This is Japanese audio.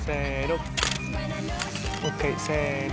ＯＫせの。